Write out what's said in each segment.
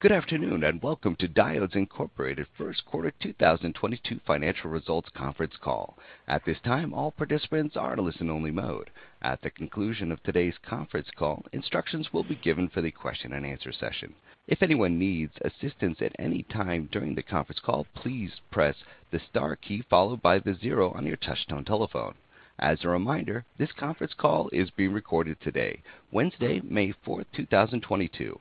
Good afternoon, and welcome to Diodes Incorporated Q1 2022 financial results conference call. At this time, all participants are in listen-only mode. At the conclusion of today's conference call, instructions will be given for the question-and-answer session. If anyone needs assistance at any time during the conference call, please press the star key followed by the zero on your touchtone telephone. As a reminder, this conference call is being recorded today, Wednesday, May 4, 2022.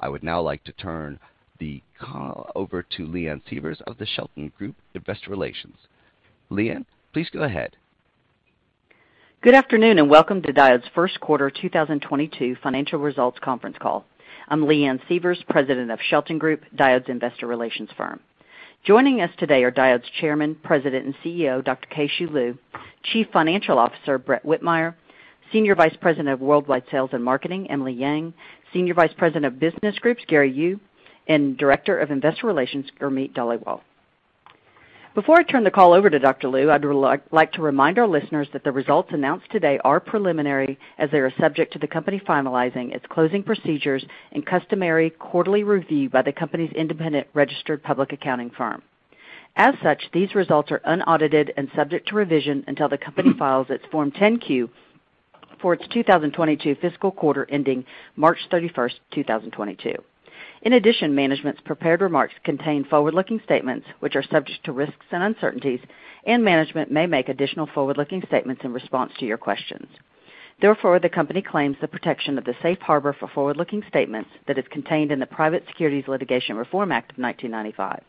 I would now like to turn the call over to Leanne Sievers of the Shelton Group, investor relations. Leanne, please go ahead. Good afternoon, and welcome to Diodes' Q1 2022 financial results conference call. I'm Leanne Sievers, President of Shelton Group, Diodes' investor relations firm. Joining us today are Diodes' Chairman, President, and CEO, Dr. Keh-Shew Lu, Chief Financial Officer, Brett Whitmire, Senior Vice President of Worldwide Sales and Marketing, Emily Yang, Senior Vice President of Business Groups, Gary Yu, and Director of Investor Relations, Gurmeet Dhaliwal. Before I turn the call over to Dr. Lu, I'd like to remind our listeners that the results announced today are preliminary as they are subject to the company finalizing its closing procedures and customary quarterly review by the company's independent registered public accounting firm. As such, these results are unaudited and subject to revision until the company files its Form 10-Q for its 2022 fiscal quarter ending March 31, 2022. In addition, management's prepared remarks contain forward-looking statements which are subject to risks and uncertainties, and management may make additional forward-looking statements in response to your questions. Therefore, the company claims the protection of the safe harbor for forward-looking statements that is contained in the Private Securities Litigation Reform Act of 1995.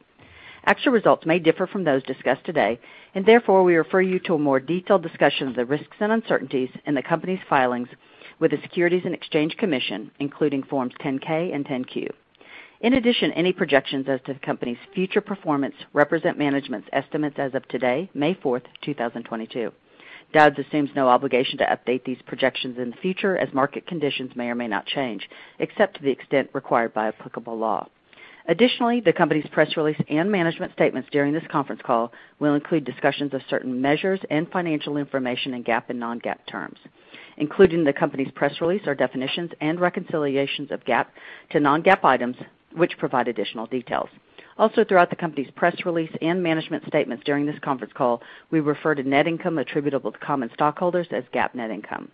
Actual results may differ from those discussed today, and therefore, we refer you to a more detailed discussion of the risks and uncertainties in the company's filings with the Securities and Exchange Commission, including Forms 10-K and 10-Q. In addition, any projections as to the company's future performance represent management's estimates as of today, May 4, 2022. Diodes assumes no obligation to update these projections in the future as market conditions may or may not change, except to the extent required by applicable law. Additionally, the company's press release and management statements during this conference call will include discussions of certain measures and financial information in GAAP and non-GAAP terms. Including the company's press release are definitions and reconciliations of GAAP to non-GAAP items which provide additional details. Also, throughout the company's press release and management statements during this conference call, we refer to net income attributable to common stockholders as GAAP net income.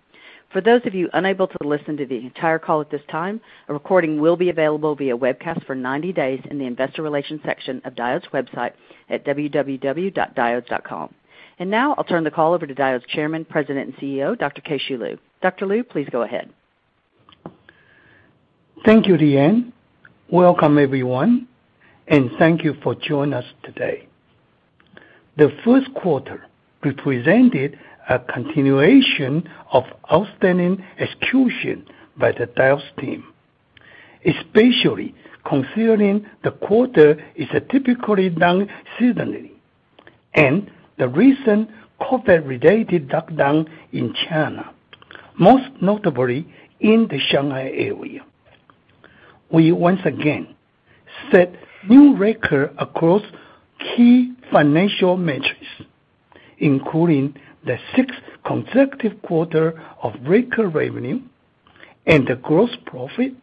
For those of you unable to listen to the entire call at this time, a recording will be available via webcast for 90 days in the investor relations section of Diodes' website at www.diodes.com. Now, I'll turn the call over to Diodes Chairman, President, and CEO, Dr. Keh-Shew Lu. Dr. Lu, please go ahead. Thank you, Leanne. Welcome, everyone, and thank you for joining us today. The Q1 represented a continuation of outstanding execution by the Diodes team, especially considering the quarter is a typically low season and the recent COVID-related lockdown in China, most notably in the Shanghai area. We once again set new record across key financial metrics, including the sixth consecutive quarter of record revenue and the gross profit,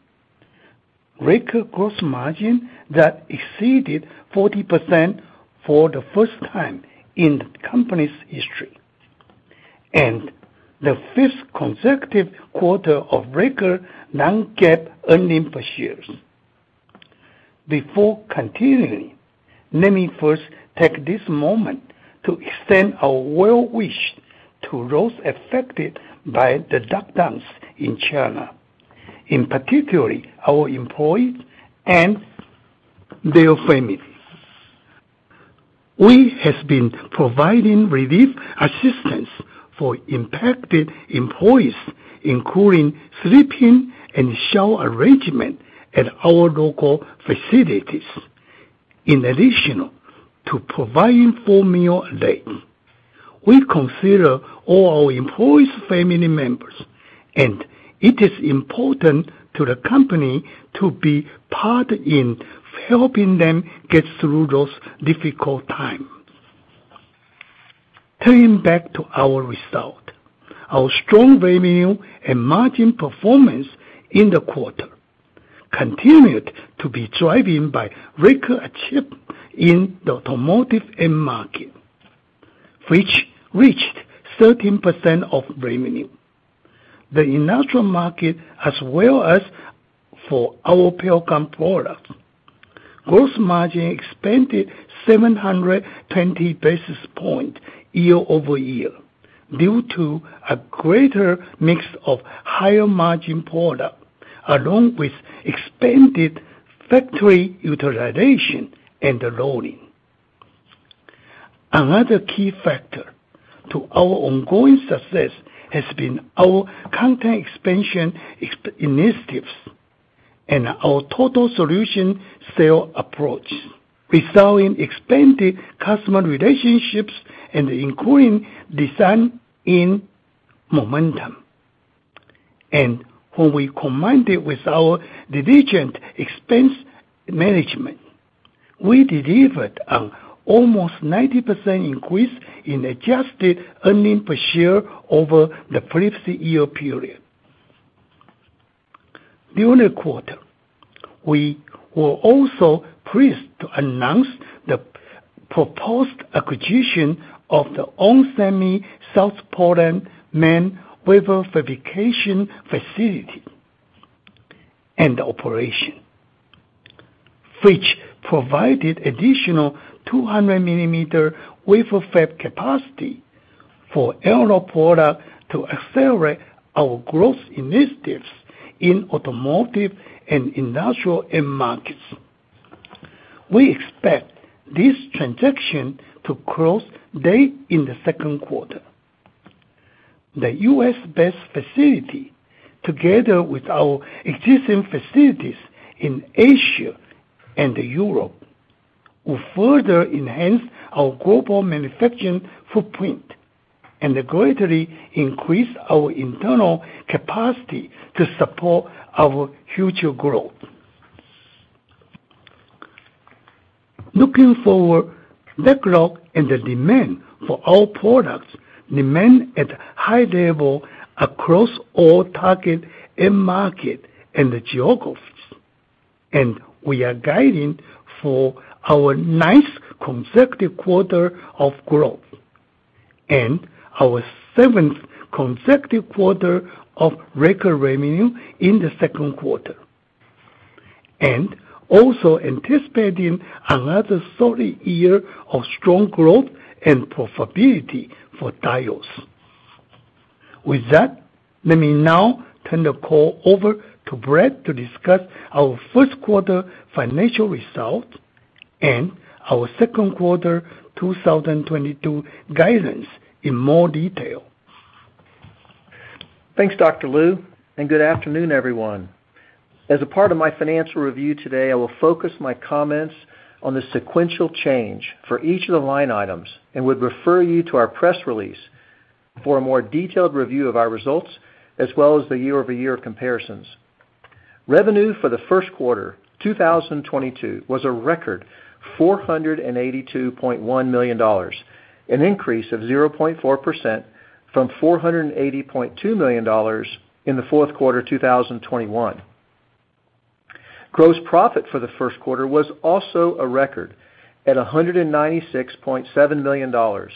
record gross margin that exceeded 40% for the first time in the company's history, and the fifth consecutive quarter of record non-GAAP earnings per share. Before continuing, let me first take this moment to extend our best wishes to those affected by the lockdowns in China, in particular our employees and their families. We have been providing relief assistance for impacted employees, including sleeping and shower arrangements at our local facilities. In addition to providing four meals a day, we consider all our employees' family members, and it is important to the company to play a part in helping them get through those difficult times. Turning back to our results, our strong revenue and margin performance in the quarter continued to be driven by record achievement in the automotive end market, which reached 13% of revenue. The industrial market as well as for our power control products. Gross margin expanded 720 basis points year-over-year due to a greater mix of higher margin products, along with expanded factory utilization and loading. Another key factor to our ongoing success has been our content expansion initiatives and our total solution sales approach, resulting in expanded customer relationships and design-in momentum. When we combine it with our diligent expense management. We delivered an almost 90% increase in adjusted earnings per share over the previous year period. During the quarter, we were also pleased to announce the proposed acquisition of the onsemi South Portland, Maine wafer fabrication facility and the operation, which provided additional 200-millimeter wafer fab capacity for analog products to accelerate our growth initiatives in automotive and industrial end markets. We expect this transaction to close late in the Q2. The U.S.-based facility, together with our existing facilities in Asia and Europe, will further enhance our global manufacturing footprint and greatly increase our internal capacity to support our future growth. Looking forward, backlog and the demand for our products remain at high levels across all target end markets and geographies. We are guiding for our ninth consecutive quarter of growth and our seventh consecutive quarter of record revenue in the Q2, and also anticipating another solid year of strong growth and profitability for Diodes. With that, let me now turn the call over to Brett to discuss our Q1 financial results and our Q2 2022 guidance in more detail. Thanks, Dr. Lu, and good afternoon, everyone. As a part of my financial review today, I will focus my comments on the sequential change for each of the line items and would refer you to our press release for a more detailed review of our results, as well as the year-over-year comparisons. Revenue for the Q1 2022 was a record $482.1 million, an increase of 0.4% from $480.2 million in the Q4 2021. Gross profit for the Q1 was also a record at $196.7 million,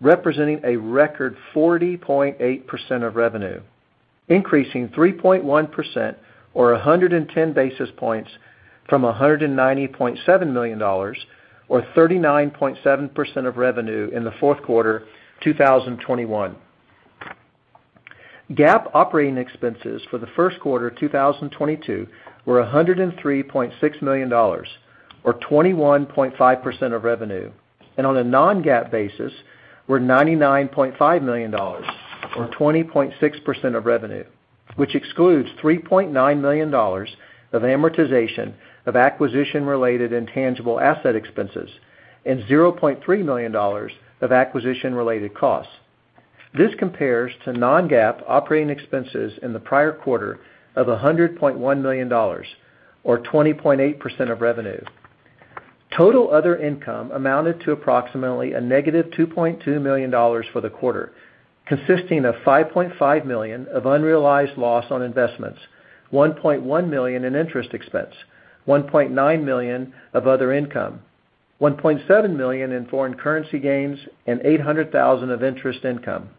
representing a record 40.8% of revenue, increasing 3.1% or 110 basis points from $190.7 million or 39.7% of revenue in the Q4 2021. GAAP operating expenses for the Q1 2022 were $103.6 million or 21.5% of revenue, and on a non-GAAP basis were $99.5 million or 20.6% of revenue, which excludes $3.9 million of amortization of acquisition-related intangible asset expenses and $0.3 million of acquisition-related costs. This compares to non-GAAP operating expenses in the prior quarter of $100.1 million or 20.8% of revenue. Total other income amounted to approximately -$2.2 million for the quarter, consisting of $5.5 million of unrealized loss on investments, $1.1 million in interest expense, $1.9 million of other income, $1.7 million in foreign currency gains, and $800,000 of interest income.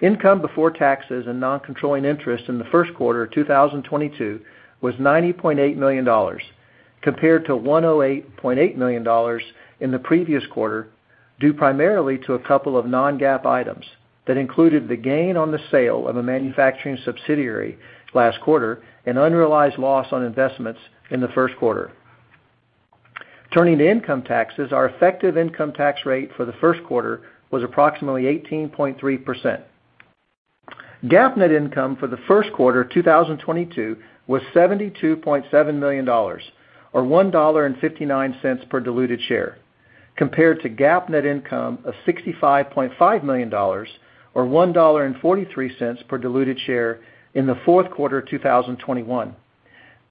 Income before taxes and non-controlling interest in the Q1 2022 was $90.8 million compared to $108.8 million in the previous quarter, due primarily to a couple of non-GAAP items that included the gain on the sale of a manufacturing subsidiary last quarter and unrealized loss on investments in the Q1. Turning to income taxes, our effective income tax rate for the Q1 was approximately 18.3%. GAAP net income for the Q1 2022 was $72.7 million or $1.59 per diluted share, compared to GAAP net income of $65.5 million or $1.43 per diluted share in the Q4 of 2021.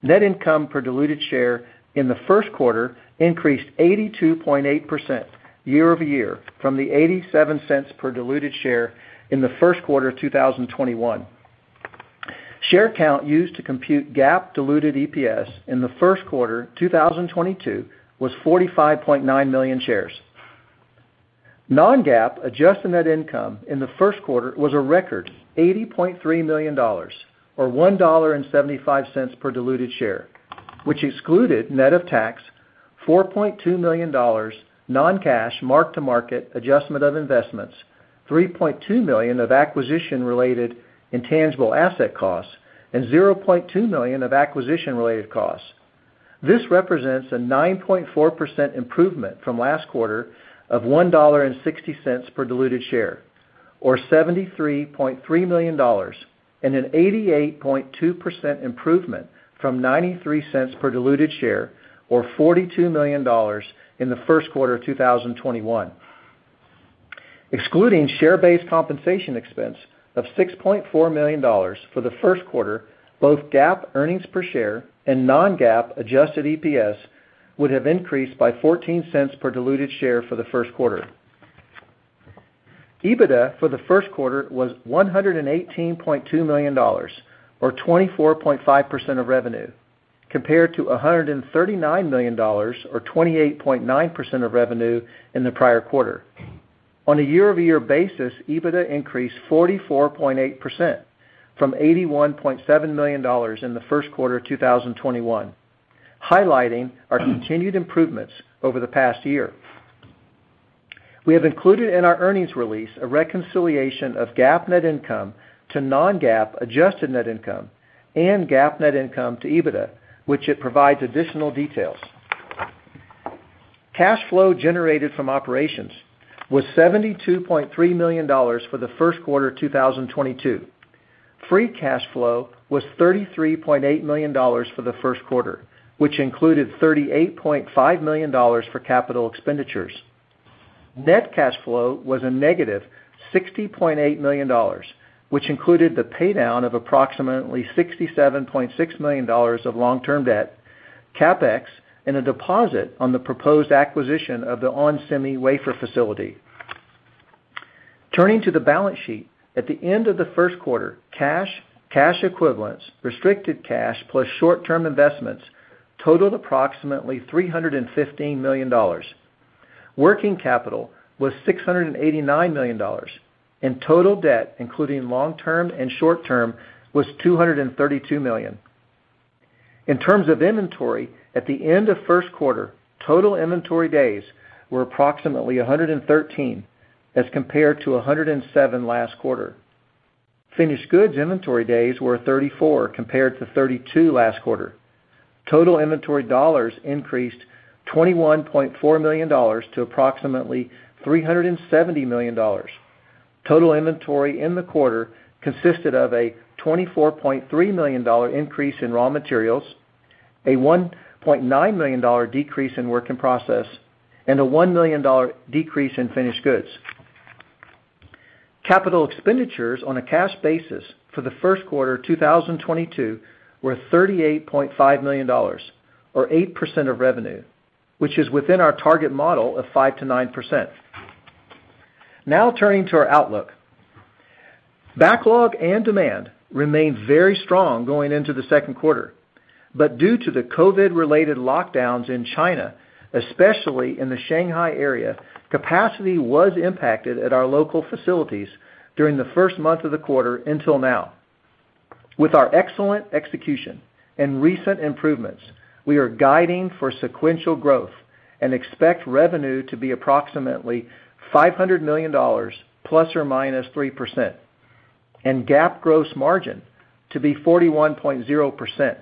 Net income per diluted share in the Q1 increased 82.8% year-over-year from the $0.87 per diluted share in the Q1 of 2021. Share count used to compute GAAP diluted EPS in the Q1 2022 was 45.9 million shares. Non-GAAP adjusted net income in the Q1 was a record $80.3 million or $1.75 per diluted share, which excluded net of tax, $4.2 million non-cash mark-to-market adjustment of investments, $3.2 million of acquisition-related intangible asset costs, and $0.2 million of acquisition-related costs. This represents a 9.4% improvement from last quarter of $1.60 per diluted share or $73.3 million, and an 88.2% improvement from $0.93 per diluted share or $42 million in the Q1 of 2021. Excluding share-based compensation expense of $6.4 million for the Q1, both GAAP earnings per share and non-GAAP adjusted EPS would have increased by $0.14 per diluted share for the Q1. EBITDA for the Q1 was $118.2 million, or 24.5% of revenue, compared to $139 million or 28.9% of revenue in the prior quarter. On a year-over-year basis, EBITDA increased 44.8% from $81.7 million in the Q1 of 2021, highlighting our continued improvements over the past year. We have included in our earnings release a reconciliation of GAAP net income to non-GAAP adjusted net income, and GAAP net income to EBITDA, which provides additional details. Cash flow generated from operations was $72.3 million for the Q1 of 2022. Free cash flow was $33.8 million for the Q1, which included $38.5 million for capital expenditures. Net cash flow was a negative $60.8 million, which included the paydown of approximately $67.6 million of long-term debt, CapEx, and a deposit on the proposed acquisition of the onsemi wafer facility. Turning to the balance sheet. At the end of the Q1, cash equivalents, restricted cash, plus short-term investments totaled approximately $315 million. Working capital was $689 million, and total debt, including long-term and short-term, was $232 million. In terms of inventory, at the end of Q1, total inventory days were approximately 113, as compared to 107 last quarter. Finished goods inventory days were 34 compared to 32 last quarter. Total inventory dollars increased $21.4 million to approximately $370 million. Total inventory in the quarter consisted of a $24.3 million increase in raw materials, a $1.9 million decrease in work in process, and a $1 million decrease in finished goods. Capital expenditures on a cash basis for the Q1 2022 were $38.5 million or 8% of revenue, which is within our target model of 5%-9%. Now turning to our outlook. Backlog and demand remained very strong going into the Q2, but due to the COVID-related lockdowns in China, especially in the Shanghai area, capacity was impacted at our local facilities during the first month of the quarter until now. With our excellent execution and recent improvements, we are guiding for sequential growth and expect revenue to be approximately $500 million ±3%, and GAAP gross margin to be 41.0%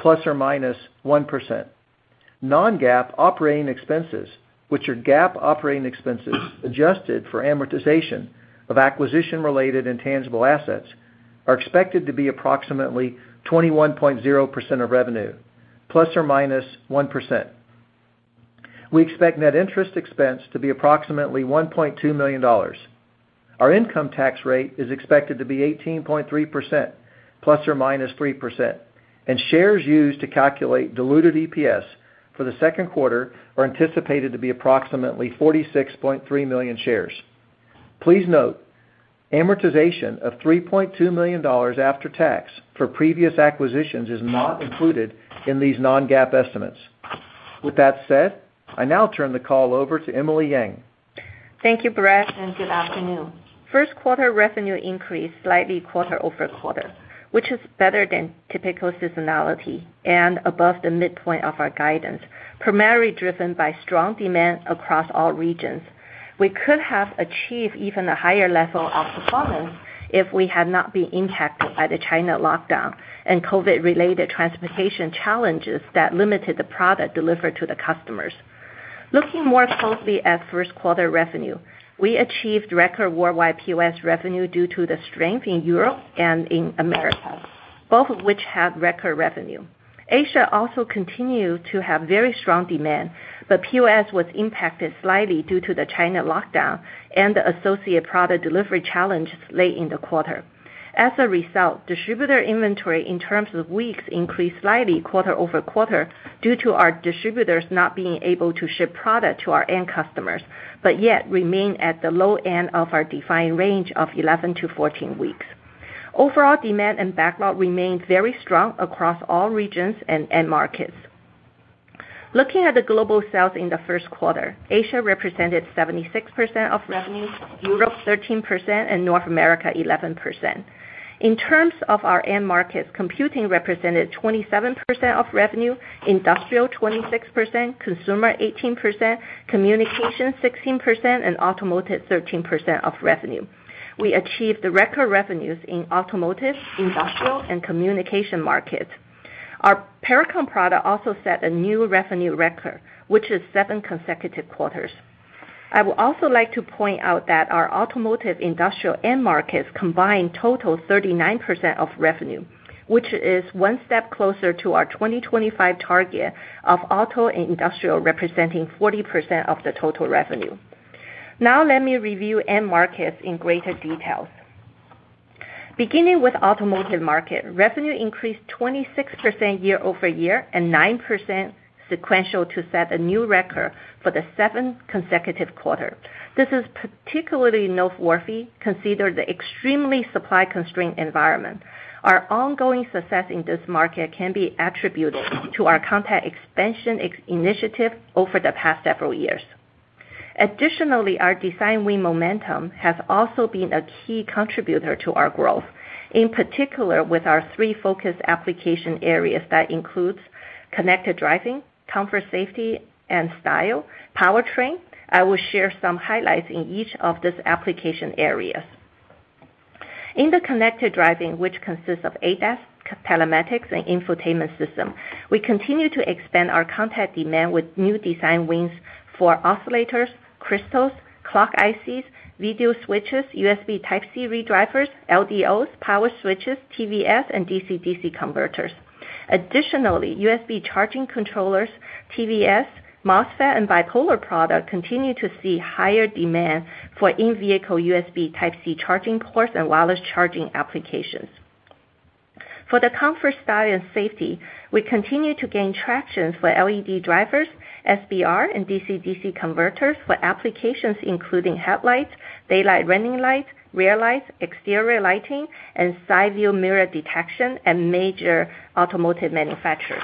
±1%. Non-GAAP operating expenses, which are GAAP operating expenses adjusted for amortization of acquisition-related intangible assets, are expected to be approximately 21.0% of revenue ±1%. We expect net interest expense to be approximately $1.2 million. Our income tax rate is expected to be 18.3% ±3%. Shares used to calculate diluted EPS for the Q2 are anticipated to be approximately 46.3 million shares. Please note amortization of $3.2 million after tax for previous acquisitions is not included in these non-GAAP estimates. With that said, I now turn the call over to Emily Yang. Thank you, Brett and good afternoon. Q1 revenue increased slightly quarter-over-quarter, which is better than typical seasonality and above the midpoint of our guidance, primarily driven by strong demand across all regions. We could have achieved even a higher level of performance if we had not been impacted by the China lockdown and COVID-related transportation challenges that limited the product delivered to the customers. Looking more closely at Q1 revenue, we achieved record worldwide POS revenue due to the strength in Europe and in America, both of which had record revenue. Asia also continued to have very strong demand, but POS was impacted slightly due to the China lockdown and the associated product delivery challenges late in the quarter. As a result, distributor inventory in terms of weeks increased slightly quarter-over-quarter due to our distributors not being able to ship product to our end customers, but yet remained at the low end of our defined range of 11-14 weeks. Overall, demand and backlog remained very strong across all regions and end markets. Looking at the global sales in the Q1, Asia represented 76% of revenue, Europe 13%, and North America 11%. In terms of our end markets, computing represented 27% of revenue, industrial 26%, consumer 18%, communication 16%, and automotive 13% of revenue. We achieved the record revenues in automotive, industrial, and communication markets. Our Pericom product also set a new revenue record, which is 7 consecutive quarters. I would also like to point out that our automotive industrial end markets combined total 39% of revenue, which is one step closer to our 2025 target of auto and industrial representing 40% of the total revenue. Now let me review end markets in greater detail. Beginning with automotive market, revenue increased 26% year-over-year and 9% sequentially to set a new record for the 7th consecutive quarter. This is particularly noteworthy, considering the extremely supply-constrained environment. Our ongoing success in this market can be attributed to our content expansion initiative over the past several years. Additionally, our design win momentum has also been a key contributor to our growth, in particular with our three focus application areas. That includes connected driving, comfort, safety and style, powertrain. I will share some highlights in each of these application areas. In the connected driving, which consists of ADAS, telematics, and infotainment system, we continue to expand our content demand with new design wins for oscillators, crystals, clock ICs, video switches, USB Type-C redrivers, LDOs, power switches, TVS, and DC-DC converters. Additionally, USB charging controllers, TVS, MOSFET, and bipolar product continue to see higher demand for in-vehicle USB Type-C charging ports and wireless charging applications. For the comfort, style, and safety, we continue to gain traction for LED drivers, SBR, and DC-DC converters for applications including headlights, daylight running lights, rear lights, exterior lighting, and side-view mirror detection in major automotive manufacturers.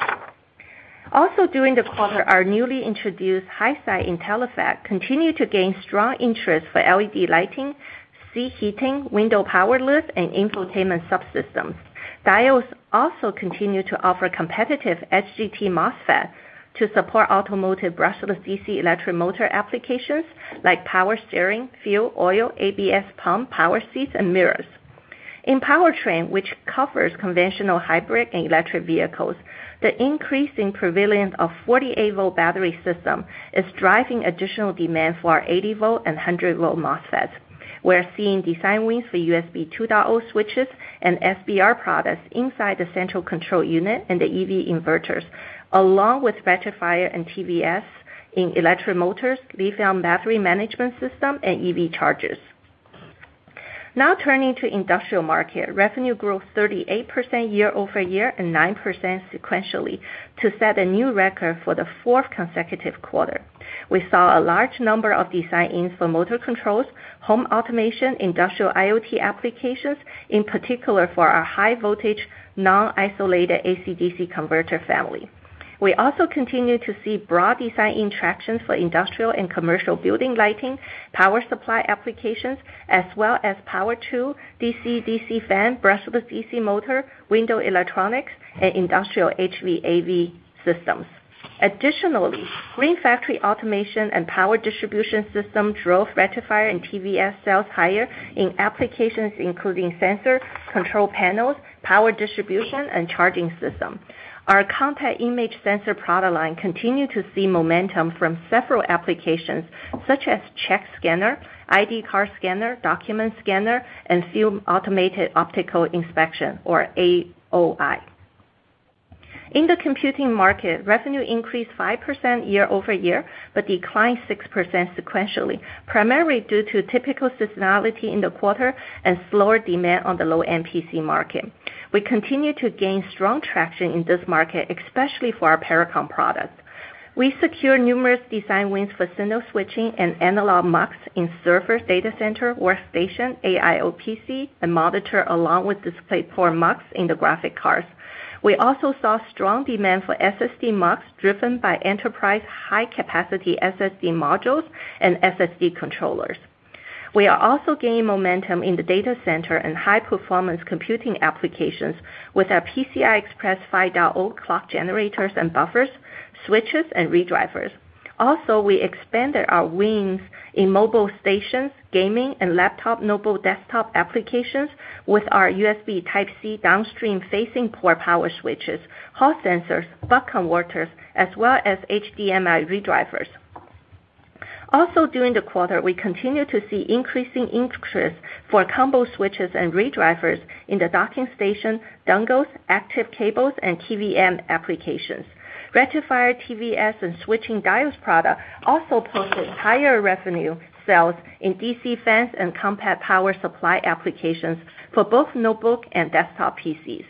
Also, during the quarter, our newly introduced high-side IntelliFET continued to gain strong interest for LED lighting, seat heating, window power lift, and infotainment subsystems. Diodes also continues to offer competitive HGBT MOSFET to support automotive brushless DC electric motor applications like power steering, fuel, oil, ABS pump, power seats, and mirrors. In powertrain, which covers conventional hybrid and electric vehicles, the increasing prevalence of 48-volt battery system is driving additional demand for our 80-volt and 100-volt MOSFET. We're seeing design wins for USB 2.0 switches and SBR products inside the central control unit and the EV inverters, along with rectifier and TVS in electric motors, lithium battery management system, and EV chargers. Now turning to industrial market. Revenue grew 38% year-over-year and 9% sequentially to set a new record for the fourth consecutive quarter. We saw a large number of design-ins for motor controls, home automation, industrial IoT applications, in particular for our high voltage non-isolated AC-DC converter family. We also continue to see broad design-in traction for industrial and commercial building lighting, power supply applications, as well as power tool, DC fan, brushless DC motor, window electronics, and industrial HVAC systems. Additionally, green factory automation and power distribution system drove rectifier and TVS sales higher in applications including sensor, control panels, power distribution, and charging system. Our Contact Image Sensor product line continued to see momentum from several applications such as check scanner, ID card scanner, document scanner, and few automated optical inspection or AOI. In the computing market, revenue increased 5% year-over-year, but declined 6% sequentially, primarily due to typical seasonality in the quarter and slower demand on the low-end PC market. We continue to gain strong traction in this market, especially for our Pericom product. We secure numerous design wins for signal switching and analog mux in server data center, workstation, AIO PC, and monitor, along with DisplayPort mux in the graphics cards. We also saw strong demand for SSD mux driven by enterprise high-capacity SSD modules and SSD controllers. We are also gaining momentum in the data center and high-performance computing applications with our PCI Express 5.0 clock generators and buffers, switches, and redrivers. Also, we expanded our wins in mobile stations, gaming, and laptop, notebook, desktop applications with our USB Type-C downstream facing port power switches, hub sensors, buck converters, as well as HDMI redrivers. Also, during the quarter, we continued to see increasing interest for combo switches and redrivers in the docking station, dongles, active cables, and TVM applications. Rectifier, TVS, and switching diodes product also posted higher revenue sales in DC fans and compact power supply applications for both notebook and desktop PCs.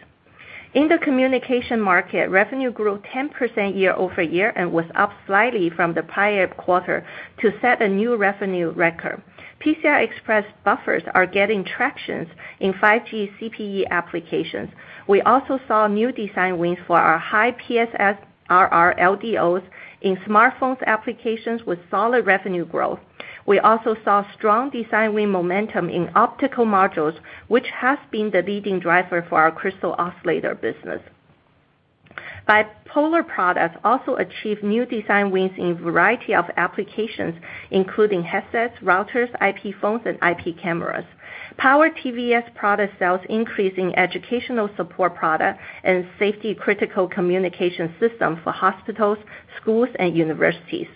In the communication market, revenue grew 10% year-over-year and was up slightly from the prior quarter to set a new revenue record. PCI Express buffers are getting traction in 5G CPE applications. We also saw new design wins for our high PSRR LDOs in smartphone applications with solid revenue growth. We also saw strong design win momentum in optical modules, which has been the leading driver for our crystal oscillator business. Bipolar products also achieved new design wins in a variety of applications, including headsets, routers, IP phones, and IP cameras. Power TVS product sales increased in educational support product and safety critical communication system for hospitals, schools, and universities.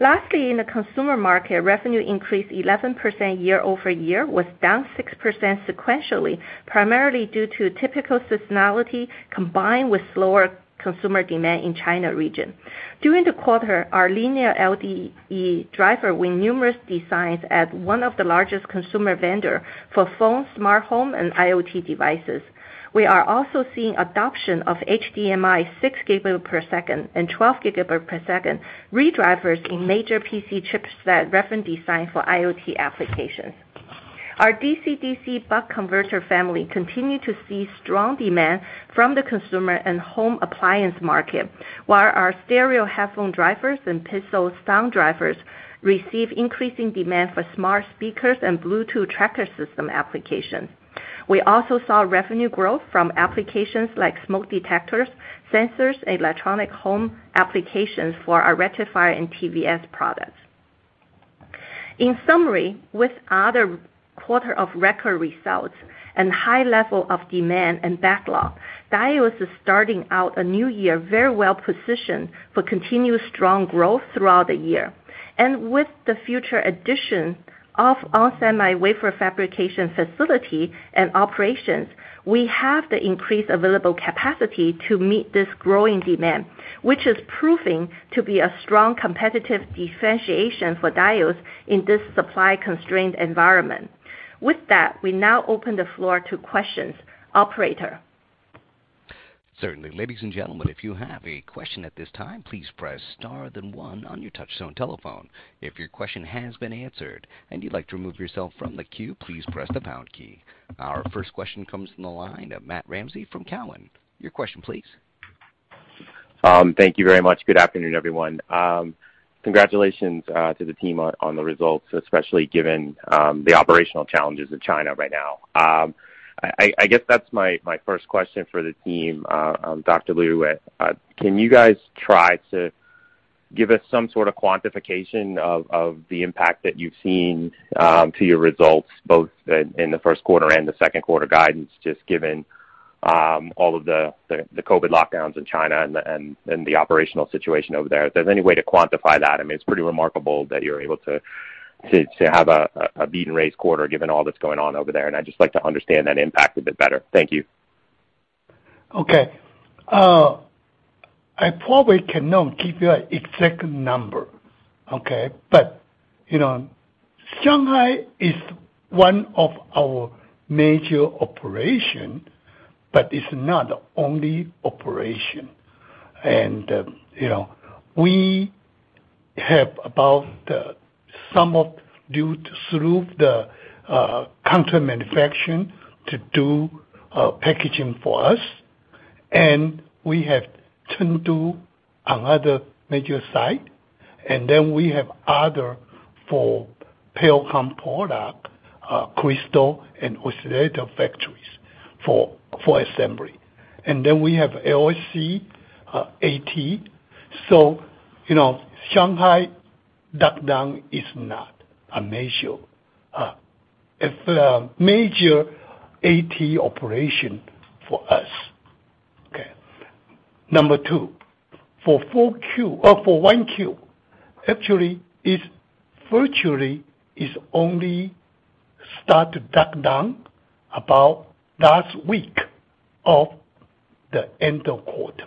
Lastly, in the consumer market, revenue increased 11% year-over-year, was down 6% sequentially, primarily due to typical seasonality combined with slower consumer demand in China region. During the quarter, our linear LED driver won numerous designs as one of the largest consumer vendor for phone, smart home and IoT devices. We are also seeing adoption of HDMI 6 gigabit per second and 12 gigabit per second redrivers in major PC chipset reference design for IoT applications. Our DC to DC buck converter family continues to see strong demand from the consumer and home appliance market. While our stereo headphone drivers and pixel sound drivers receive increasing demand for smart speakers and Bluetooth tracker system applications. We also saw revenue growth from applications like smoke detectors, sensors, electronic home applications for our rectifier and TVS products. In summary, with another quarter of record results and high level of demand and backlog, Diodes is starting out a new year very well-positioned for continuous strong growth throughout the year. With the future addition of onsemi wafer fabrication facility and operations, we have the increased available capacity to meet this growing demand, which is proving to be a strong competitive differentiation for Diodes in this supply-constrained environment. With that, we now open the floor to questions. Operator. Certainly. Ladies and gentlemen, if you have a question at this time, please press Star then one on your touch-tone telephone. If your question has been answered and you'd like to remove yourself from the queue, please press the pound key. Our first question comes from the line of Matthew Ramsay from Cowen. Your question, please. Thank you very much. Good afternoon, everyone. Congratulations to the team on the results, especially given the operational challenges in China right now. I guess that's my first question for the team, Dr. Lu. Can you guys try to give us some sort of quantification of the impact that you've seen to your results both in the Q1 and the Q2 guidance, just given all of the COVID lockdowns in China and the operational situation over there. If there's any way to quantify that. I mean, it's pretty remarkable that you're able to have a beat-and-raise quarter given all that's going on over there, and I'd just like to understand that impact a bit better. Thank you. Okay. I probably cannot give you an exact number, okay? You know, Shanghai is one of our major operation, but it's not the only operation. You know, we have about some of our through the contract manufacturers to do packaging for us. We have Chengdu, another major site. Then we have other for Pericom products, crystal and oscillator factories for assembly. Then we have KFAB A&T. You know, Shanghai lockdown is not a major. It's a major A&T operation for us. Okay. Number two, for 4Q or 1Q, actually, virtually only started to lockdown about last week or the end of quarter.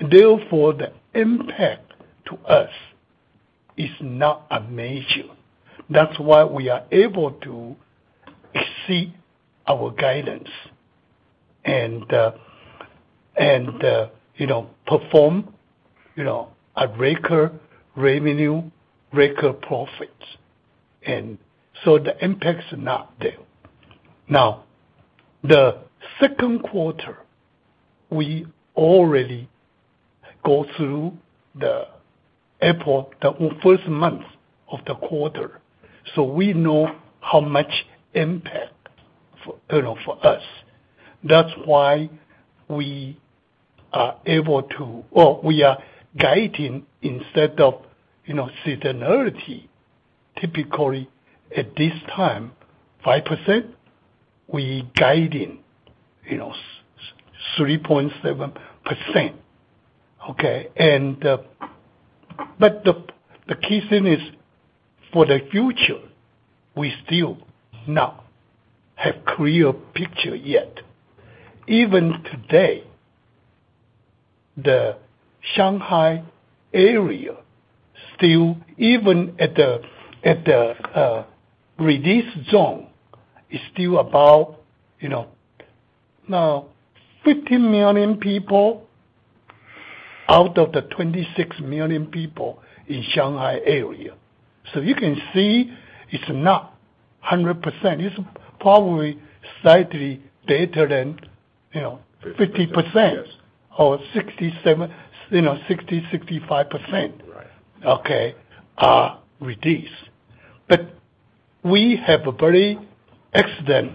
Therefore, the impact to us is not a major. That's why we are able to exceed our guidance and you know perform you know a record revenue, record profits. The impact's not there. Now, the Q2, we already go through April, the first month of the quarter, so we know how much impact for you know for us. That's why we are guiding instead of you know seasonality, typically at this time, 5%, we're guiding you know 3.7%, okay. The key thing is, for the future, we still not have clear picture yet. Even today, the Shanghai area still even at the reduced zone, is still about you know now 15 million people out of the 26 million people in Shanghai area. You can see it's not 100%. It's probably slightly better than, you know, 50%. Yes. Or sixty-seven, you know, sixty, sixty-five percent. Right. Okay, reduced. We have a very excellent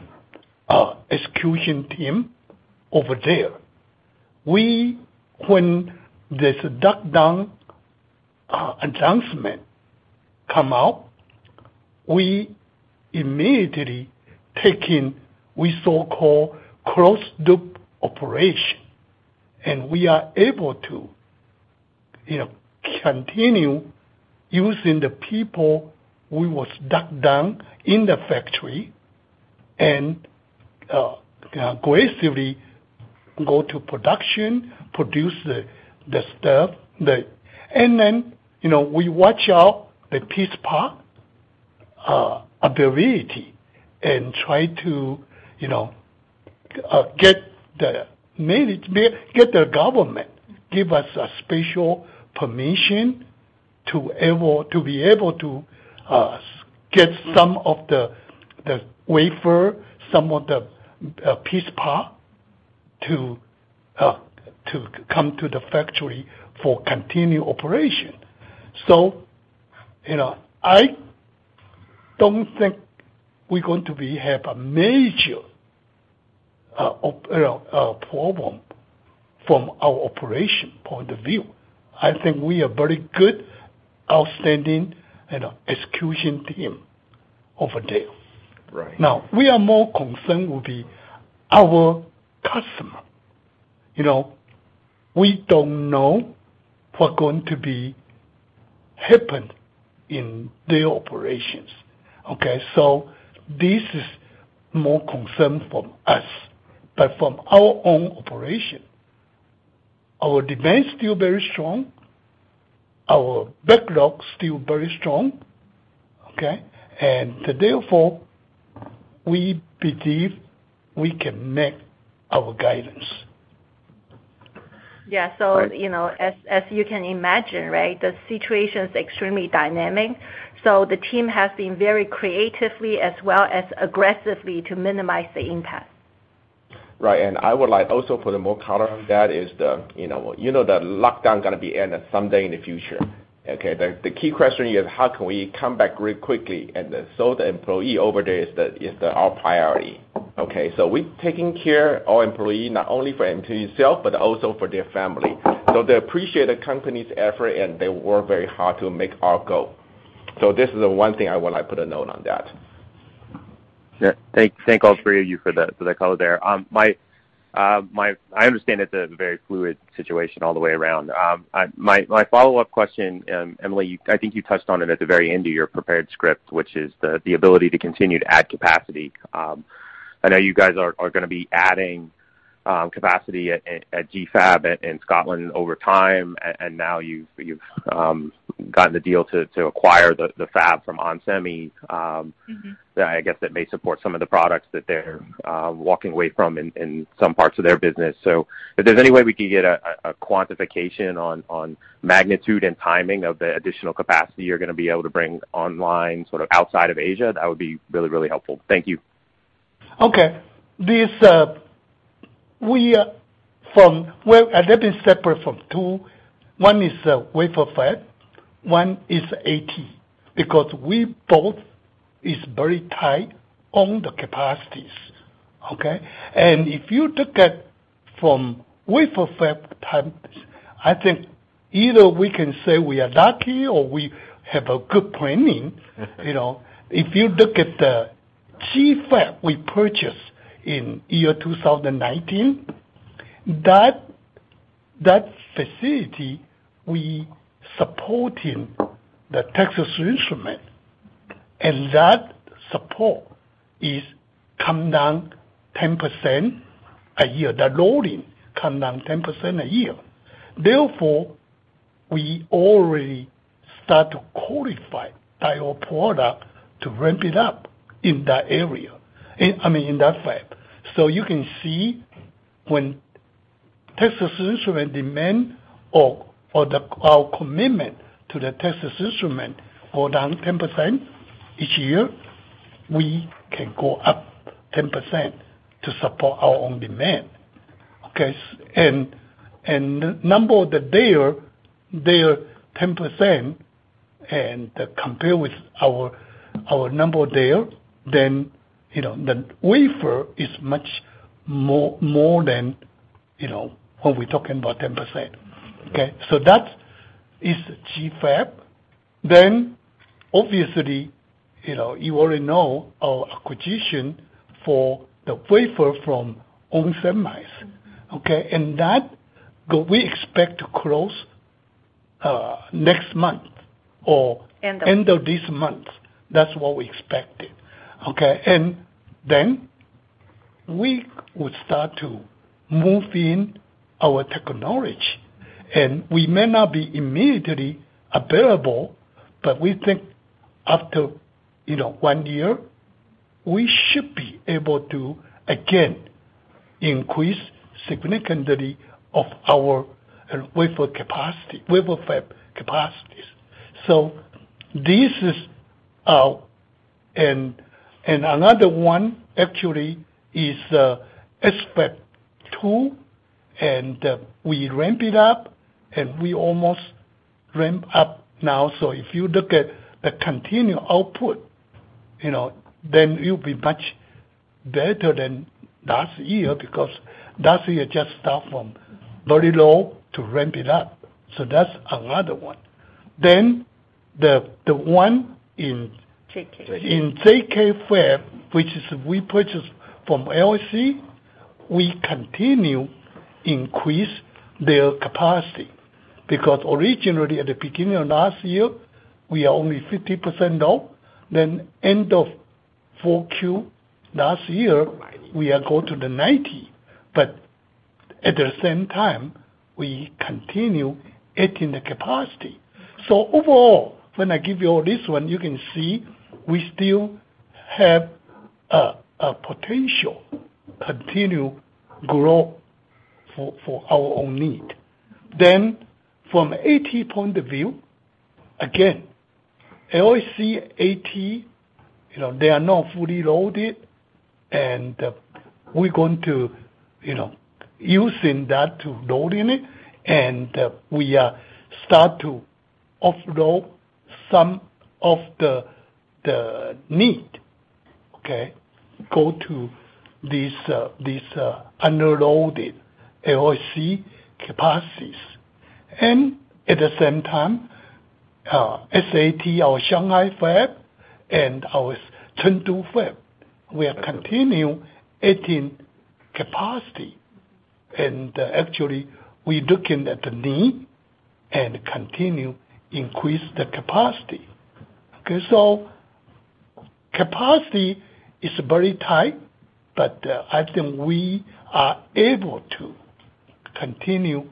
execution team over there. When this lockdown announcement come out we immediately take in we so-called closed loop operation, and we are able to, you know, continue using the people we was locked down in the factory and aggressively go to production, produce the stuff. Then, you know, we watch out the piece part availability and try to, you know, get the government give us a special permission to be able to get some of the wafer, some of the piece part to come to the factory for continued operation. You know, I don't think we're going to have a major problem from our operation point of view. I think we are very good, outstanding, you know, execution team over there. Right. Now, we are more concerned will be our customer, you know. We don't know what's going to happen in their operations, okay? This is more concern from us, but from our own operation, our demand is still very strong, our backlog still very strong, okay? Therefore, we believe we can make our guidance. Yeah. You know, as you can imagine, right? The situation is extremely dynamic, so the team has been very creative as well as aggressive to minimize the impact. Right. I would like also put a more color on that is the, you know, the lockdown gonna be end someday in the future, okay? The key question is how can we come back very quickly? The employee over there is our priority, okay? We're taking care our employee, not only for employee himself, but also for their family. They appreciate the company's effort, and they work very hard to make our goal. This is the one thing I wanna put a note on that. Yeah. Thank all three of you for the color there. I understand it's a very fluid situation all the way around. My follow-up question, Emily, I think you touched on it at the very end of your prepared script, which is the ability to continue to add capacity. I know you guys are gonna be adding capacity at GFAB in Scotland over time, and now you've gotten the deal to acquire the fab from onsemi. Mm-hmm. that I guess that may support some of the products that they're walking away from in some parts of their business. So if there's any way we could get a quantification on magnitude and timing of the additional capacity you're gonna be able to bring online, sort of outside of Asia, that would be really, really helpful. Thank you. Okay. Well, let me separate into two. One is wafer fab, one is A&T. Because we both is very tight on the capacities, okay? If you look at from wafer fab perspective, I think either we can say we are lucky or we have a good planning. You know, if you look at the GFAB we purchased in year 2019, that facility, we supporting the Texas Instruments, and that support is come down 10% a year. The loading come down 10% a year. Therefore, we already start to qualify our product to ramp it up in that area. I mean, in that fab. You can see when Texas Instruments demand our commitment to Texas Instruments go down 10% each year, we can go up 10% to support our own demand, okay? Number there 10% and compare with our number there, then you know, the wafer is much more than you know, when we're talking about 10%, okay? That is GFAB. Obviously, you know, you already know our acquisition for the wafer from onsemi. Mm-hmm. Okay? That, we expect to close next month. End of. End of this month. That's what we expected, okay? Then we would start to move in our technology, and we may not be immediately available, but we think after one year, we should be able to again increase significantly of our wafer capacity, wafer fab capacities. This is our. Another one actually is SFAB 2, and we ramp it up, and we almost ramp up now. If you look at the continued output, then it will be much better than last year, because last year just start from very low to ramp it up. That's another one. The one in- ZK. In ZK fab, which we purchased from AOC, we continue increase their capacity because originally at the beginning of last year, we are only 50% loaded, then end of 4Q last year, we are go to the 90. At the same time, we continue adding the capacity. Overall, when I give you all this one, you can see we still have a potential continued growth for our own need. From A&T point of view, again, AOSMD A&T, you know, they are not fully loaded, and we're going to, you know, using that to loading it, and we start to offload some of the need, okay, go to this underloaded AOSMD capacities. At the same time, Shanghai A&T, our Shanghai fab and our Chengdu fab, we are continue adding capacity. Actually we're looking at the need and continue increase the capacity. Okay, so capacity is very tight, but I think we are able to continue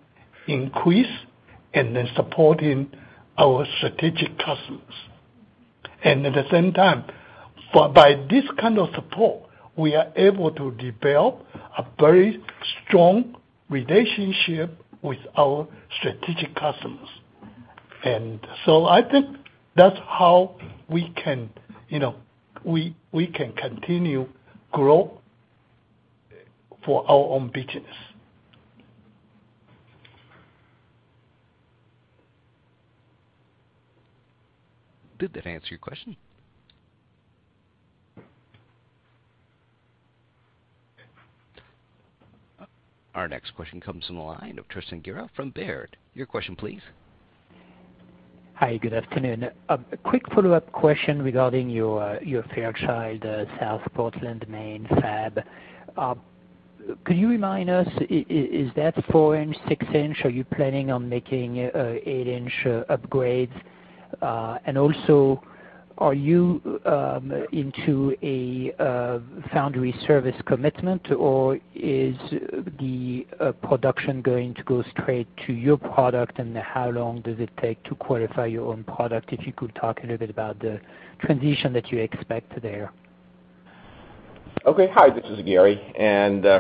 increase and then supporting our strategic customers. At the same time, thereby this kind of support, we are able to develop a very strong relationship with our strategic customers. I think that's how we can, you know, we can continue grow for our own business. Did that answer your question? Our next question comes from the line of Tristan Gerra from Baird. Your question please. Hi, good afternoon. A quick follow-up question regarding your Fairchild South Portland, Maine fab. Could you remind us, is that four-inch, six-inch? Are you planning on making eight-inch upgrades? Also, are you into a foundry service commitment, or is the production going to go straight to your product? How long does it take to qualify your own product? If you could talk a little bit about the transition that you expect there. Okay. Hi, this is Gary.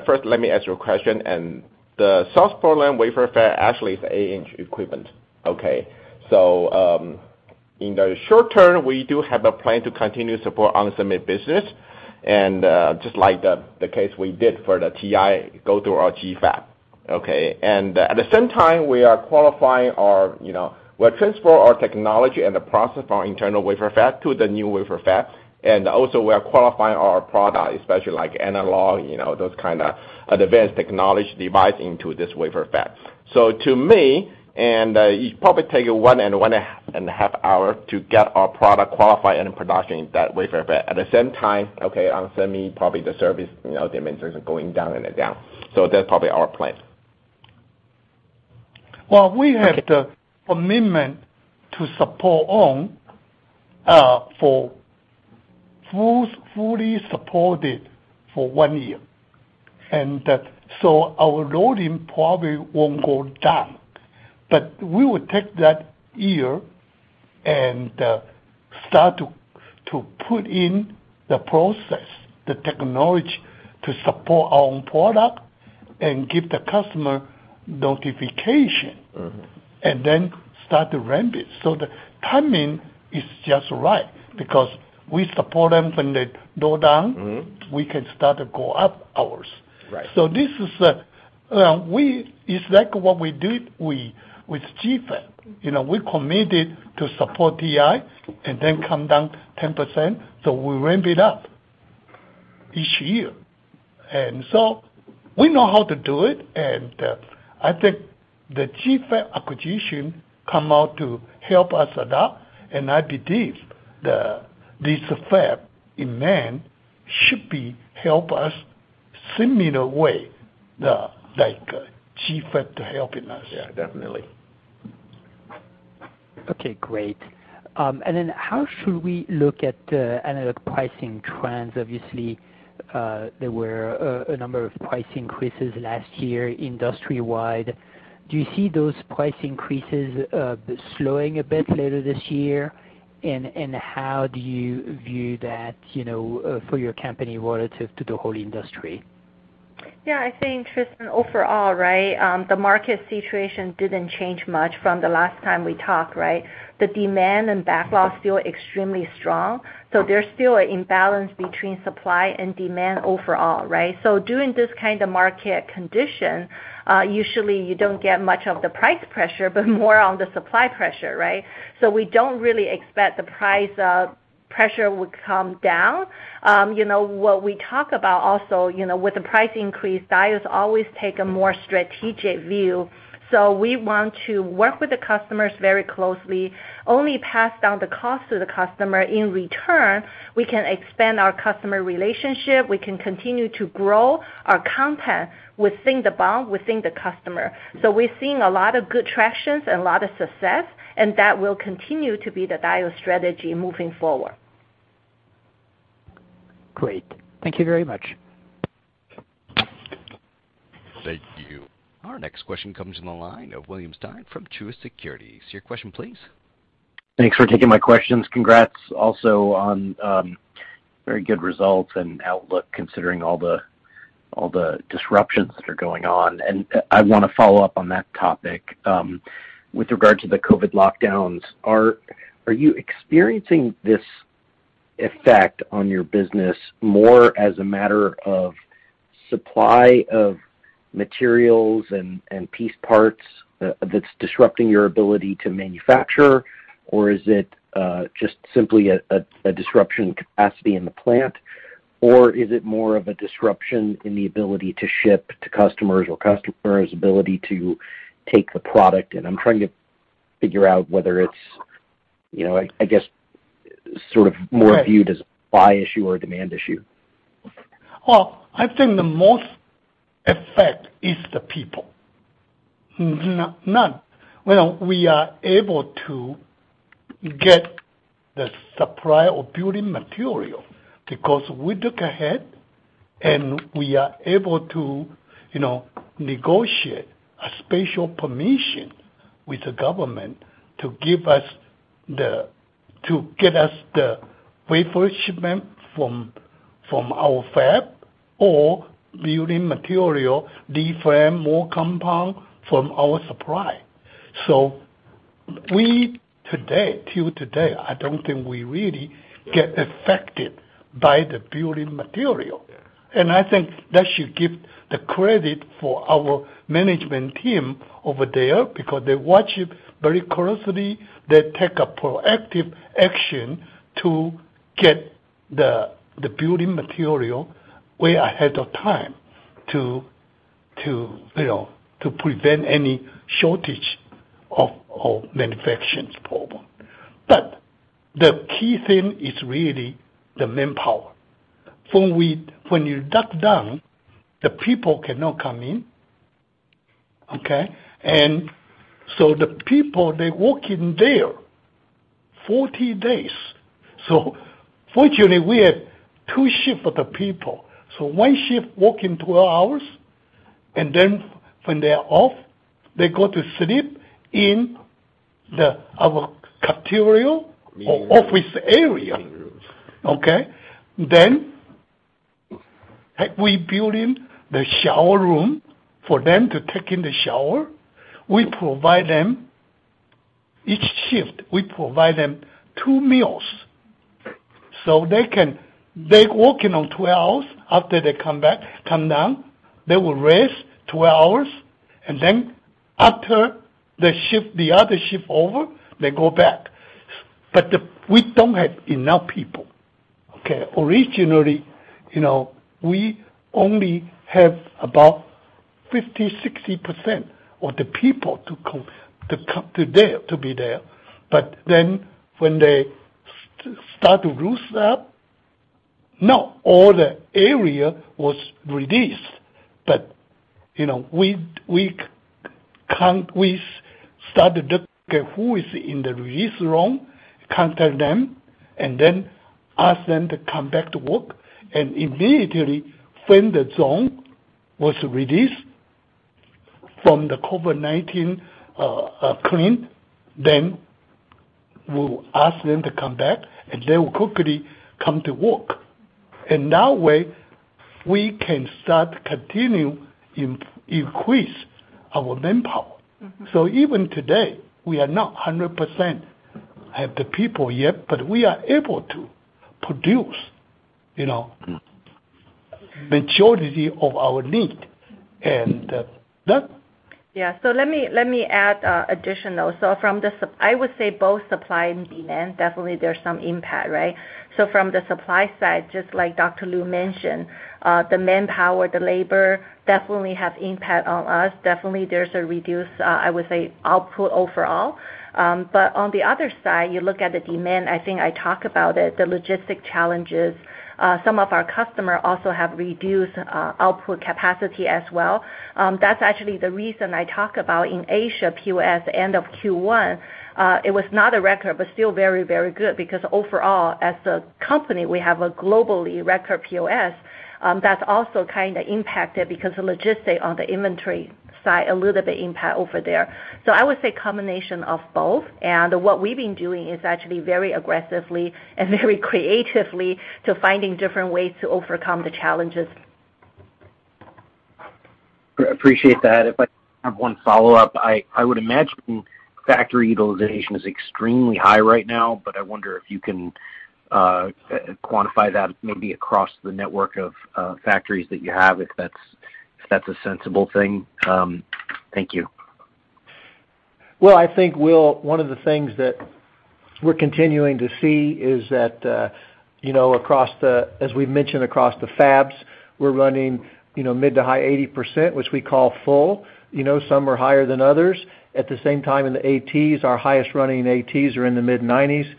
First, let me answer your question. The South Portland wafer fab actually is 8-inch equipment, okay? In the short term, we do have a plan to continue support on semi business, just like the case we did for the TI, go through our GFAB, okay? At the same time, we are qualifying our, you know, we're transfer our technology and the process from our internal wafer fab to the new wafer fab. Also we are qualifying our product, especially like analog, you know, those kind of advanced technology device into this wafer fab. To me, it probably take one and a half hour to get our product qualified and in production in that wafer fab. At the same time, okay, onsemi probably the servers, you know, dimensions are going down and then down. That's probably our plan. Well, we have the commitment to support onsemi, fully supported for one year. Our loading probably won't go down, but we will take that year and start to put in the process the technology to support our own product and give the customer notification. Mm-hmm. Start to ramp it. The timing is just right because we support them when they go down. Mm-hmm. We can start to go up ours. Right. This is like what we did with GFAB. You know, we committed to support TI and then come down 10%, so we ramp it up each year. We know how to do it. I think the GFAB acquisition come out to help us adapt, and I believe this fab in Maine should be help us similar way, like GFAB helping us. Yeah, definitely. Okay, great. How should we look at analog pricing trends? Obviously, there were a number of price increases last year industry-wide. Do you see those price increases slowing a bit later this year? How do you view that, you know, for your company relative to the whole industry? Yeah, I think, Tristan, overall, right, the market situation didn't change much from the last time we talked, right? The demand and backlog feel extremely strong, so there's still an imbalance between supply and demand overall, right? During this kind of market condition, usually you don't get much of the price pressure, but more on the supply pressure, right? We don't really expect the price pressure would come down. You know, what we talk about also, you know, with the price increase, Diodes always take a more strategic view. We want to work with the customers very closely, only pass down the cost to the customer. In return, we can expand our customer relationship. We can continue to grow our content within the brand, within the customer. We're seeing a lot of good traction and a lot of success, and that will continue to be the Diodes strategy moving forward. Great. Thank you very much. Thank you. Our next question comes from the line of William Stein from Truist Securities. Your question, please. Thanks for taking my questions. Congrats also on very good results and outlook considering all the disruptions that are going on. I wanna follow up on that topic. With regard to the COVID lockdowns, are you experiencing this effect on your business more as a matter of supply of materials and piece parts that's disrupting your ability to manufacture? Or is it just simply a disruption in capacity in the plant? Or is it more of a disruption in the ability to ship to customers or customers' ability to take the product in? I'm trying to figure out whether it's, you know, I guess, sort of more viewed as a buy issue or a demand issue. Well, I think the most affected is the people. None. Well, we are able to get the supply of building material because we look ahead, and we are able to, you know, negotiate a special permission with the government to get us the wafer shipment from our fab or building material, leadframe, molding compound from our supply. Today till today, I don't think we really get affected by the building material. Yeah. I think that should give the credit for our management team over there because they watch it very closely. They take a proactive action to get the building material way ahead of time to, you know, to prevent any shortage of manufacturing problem. The key thing is really the manpower. When you lock down, the people cannot come in, okay? The people, they work in there 40 days. Fortunately, we have two shift of the people. One shift working 12 hours, and then when they're off, they go to sleep in our cafeteria or office area. Meeting rooms. Okay? We build a shower room for them to take a shower. We provide them, each shift, we provide them two meals. They can. They working on 12 hours. After they come back, come down, they will rest 2 hours, and then after the shift, the other shift over, they go back. We don't have enough people, okay? Originally, you know, we only have about 50-60% of the people to come there to be there. When they start to loosen up, not all the area was released. You know, we start to look at who is in the release room, contact them, and then ask them to come back to work. Immediately when the zone was released from the COVID-19 lockdown, then we'll ask them to come back, and they will quickly come to work. In that way, we can continue to increase our manpower. Mm-hmm. Even today, we are not 100% have the people yet, but we are able to produce, you know. Mm. The majority of our need. Done. Yeah. Let me add additional. I would say both supply and demand, definitely there's some impact, right? From the supply side, just like Dr. Lu mentioned, the manpower, the labor definitely have impact on us. Definitely, there's a reduction, I would say output overall. On the other side, you look at the demand, I think I talked about it, the logistic challenges. Some of our customers also have reduced output capacity as well. That's actually the reason I talk about in Asia POS end of Q1. It was not a record, but still very, very good because overall as a company, we have a global record POS, that's also kind of impacted because the logistics on the inventory side, a little bit impact over there. I would say combination of both. What we've been doing is actually very aggressively and very creatively to finding different ways to overcome the challenges. Appreciate that. If I can have one follow-up. I would imagine factory utilization is extremely high right now, but I wonder if you can quantify that maybe across the network of factories that you have, if that's a sensible thing. Thank you. Well, I think, Will, one of the things that we're continuing to see is that, you know, as we mentioned across the fabs, we're running, you know, mid- to high 80%, which we call full. You know, some are higher than others. At the same time, in the A&Ts, our highest running A&Ts are in the mid-90s.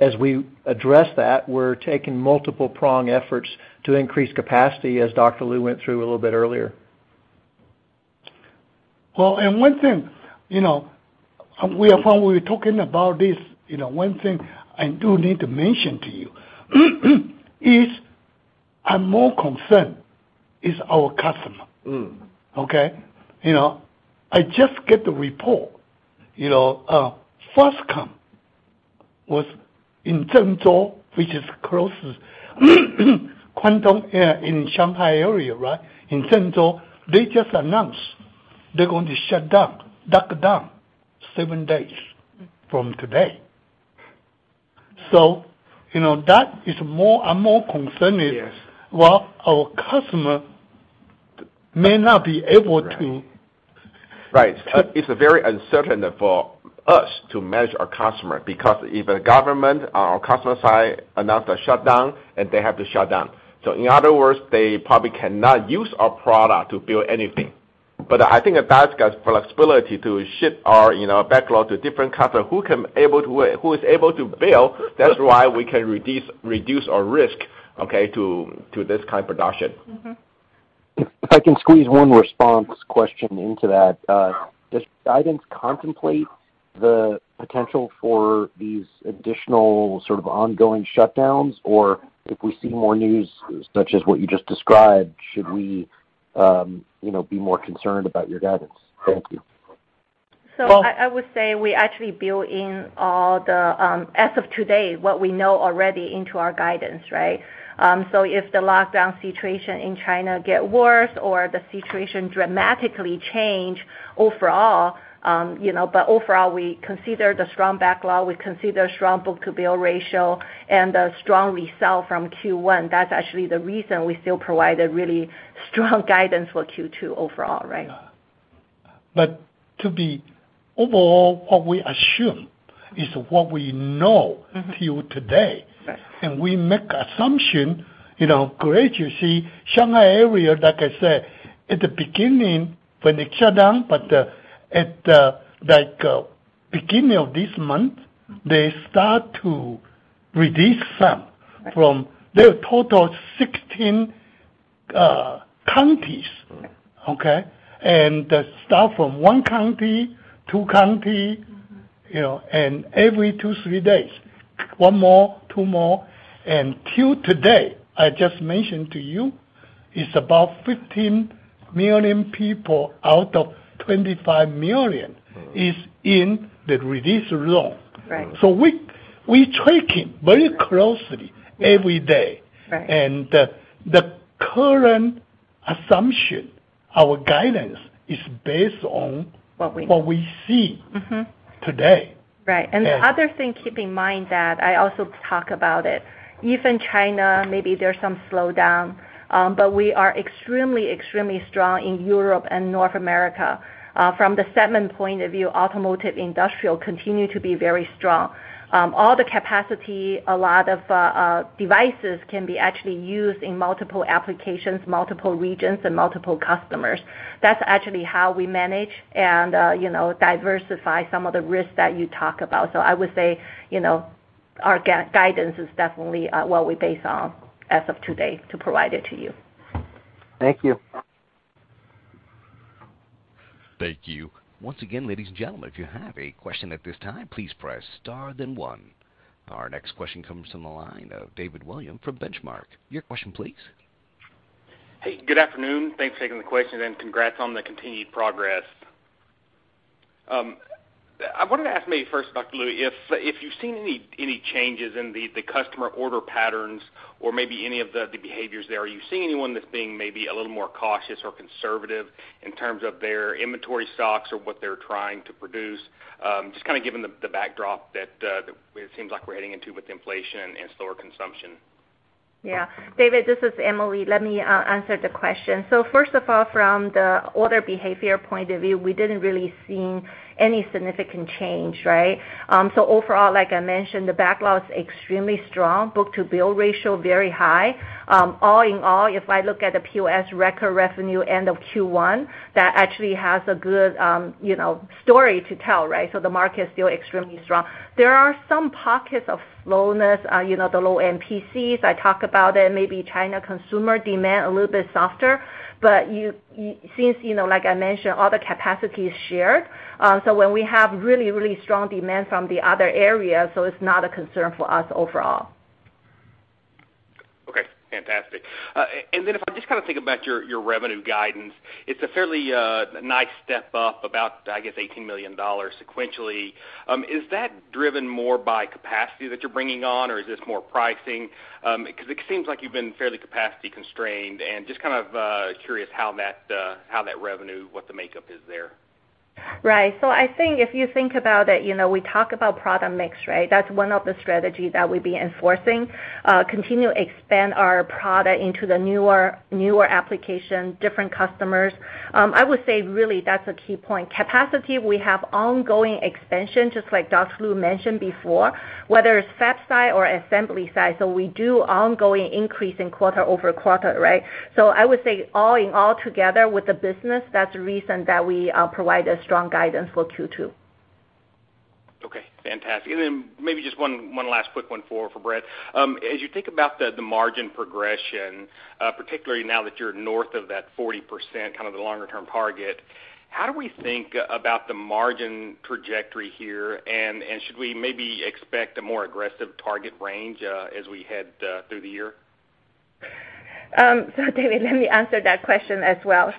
As we address that, we're taking multiple prong efforts to increase capacity as Dr. Lu went through a little bit earlier. Well, one thing, you know, when we were talking about this, you know, one thing I do need to mention to you is I'm more concerned is our customer. Mm. You know, I just get the report, you know, first one was in Kunshan, which is close Guangdong, yeah, in Shanghai area, right? In Kunshan, they just announced they're going to shut down, lock down seven days from today. You know, that is more. I'm more concerned is- Yes. Well, our customer may not be able to. Right. Uh- It's very uncertain for us to manage our customer because if a government on our customer side announce a shutdown, and they have to shut down. In other words, they probably cannot use our product to build anything. I think we got flexibility to ship our, you know, backlog to different customer who is able to build. That's why we can reduce our risk, okay, to this kind of production. Mm-hmm. If I can squeeze one response question into that, does guidance contemplate the potential for these additional sort of ongoing shutdowns? Or if we see more news, such as what you just described, should we, you know, be more concerned about your guidance? Thank you. I would say we actually build in all the as of today what we know already into our guidance, right? If the lockdown situation in China get worse or the situation dramatically change overall, you know, but overall, we consider the strong backlog, we consider strong book-to-bill ratio and the strong results from Q1. That's actually the reason we still provide a really strong guidance for Q2 overall, right? Yeah. To be overall, what we assume is what we know. Mm-hmm. Till today. Right. We make assumption, you know, gradually. Shanghai area, like I said, at the beginning when they shut down, but at, like, beginning of this month, they start to release some- Right. from their total 16 counties, okay? They start from 1 county, 2 county- Mm-hmm. You know, and every two, three days, one more, two more. Till today, I just mentioned to you, it's about 15 million people out of 25 million. Mm. is in the release lock. Right. We tracking very closely every day. Right. The current assumption, our guidance is based on. What we know. What we see. Mm-hmm. -today. Right. And- The other thing, keep in mind that I also talk about it. Even China, maybe there's some slowdown, but we are extremely strong in Europe and North America. From the segment point of view, automotive, industrial continue to be very strong. All the capacity, a lot of devices can be actually used in multiple applications, multiple regions, and multiple customers. That's actually how we manage and, you know, diversify some of the risks that you talk about. I would say, you know, our guidance is definitely what we based on as of today to provide it to you. Thank you. Thank you. Once again, ladies and gentlemen, if you have a question at this time, please press star then one. Our next question comes from the line of David Williams from Benchmark. Your question, please. Hey, good afternoon. Thanks for taking the question, and congrats on the continued progress. I wanted to ask maybe first, Dr. Lu, if you've seen any changes in the customer order patterns or maybe any of the behaviors there. Are you seeing anyone that's being maybe a little more cautious or conservative in terms of their inventory stocks or what they're trying to produce? Just kinda given the backdrop that it seems like we're heading into with inflation and slower consumption. Yeah. David, this is Emily. Let me answer the question. First of all, from the order behavior point of view, we didn't really seen any significant change, right? Overall, like I mentioned, the backlog is extremely strong. Book-to-bill ratio, very high. All in all, if I look at the POS record revenue end of Q1, that actually has a good, you know, story to tell, right? The market is still extremely strong. There are some pockets of slowness, you know, the low-end PCs, I talk about it, maybe China consumer demand a little bit softer. Since, you know, like I mentioned, all the capacity is shared, so when we have really, really strong demand from the other areas, so it's not a concern for us overall. Okay. Fantastic. If I just kinda think about your revenue guidance, it's a fairly nice step up about, I guess, $18 million sequentially. Is that driven more by capacity that you're bringing on, or is this more pricing? 'Cause it seems like you've been fairly capacity constrained, and just kind of curious how that revenue, what the makeup is there. Right. I think if you think about it, you know, we talk about product mix, right? That's one of the strategy that we've been enforcing, continue to expand our product into the newer application, different customers. I would say really that's a key point. Capacity, we have ongoing expansion, just like Dr. Lu mentioned before, whether it's fab site or assembly site. We do ongoing increase in quarter over quarter, right? I would say all in all, together with the business, that's the reason that we provide a strong guidance for Q2. Okay, fantastic. Then maybe just one last quick one for Brett. As you think about the margin progression, particularly now that you're north of that 40% kind of the longer term target, how do we think about the margin trajectory here, and should we maybe expect a more aggressive target range as we head through the year? David, let me answer that question as well.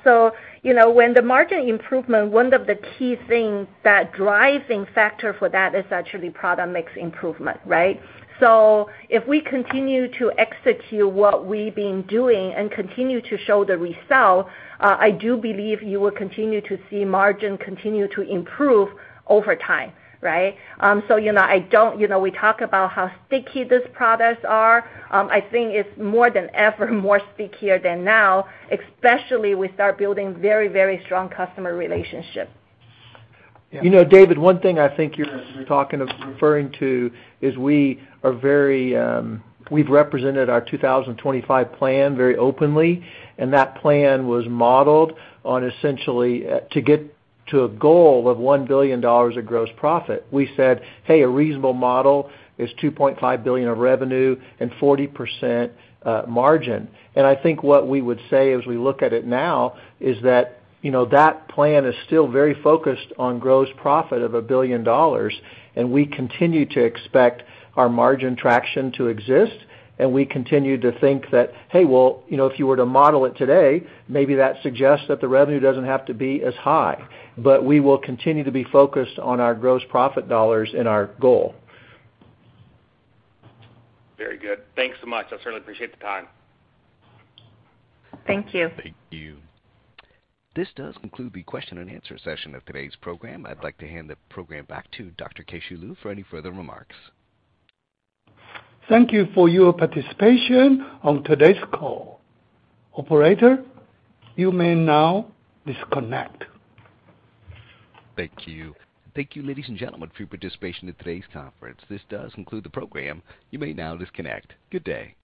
You know, when the margin improvement, one of the key things that driving factor for that is actually product mix improvement, right? If we continue to execute what we've been doing and continue to show the result, I do believe you will continue to see margin continue to improve over time, right? You know, we talk about how sticky these products are. I think it's more than ever more stickier than now, especially we start building very, very strong customer relationship. You know, David, one thing I think you're talking about referring to is we are very, we've represented our 2025 plan very openly, and that plan was modeled on essentially to get to a goal of $1 billion of gross profit. We said, "Hey, a reasonable model is $2.5 billion of revenue and 40% margin." I think what we would say as we look at it now is that, you know, that plan is still very focused on gross profit of $1 billion, and we continue to expect our margin traction to exist, and we continue to think that, hey, well, you know, if you were to model it today, maybe that suggests that the revenue doesn't have to be as high. We will continue to be focused on our gross profit dollars and our goal. Very good. Thanks so much. I certainly appreciate the time. Thank you. Thank you. This does conclude the question and answer session of today's program. I'd like to hand the program back to Dr. Keh-Shew Lu for any further remarks. Thank you for your participation on today's call. Operator, you may now disconnect. Thank you. Thank you, ladies and gentlemen, for your participation in today's conference. This does conclude the program. You may now disconnect. Good day.